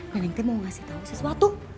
neneng aku mau ngasih tau sesuatu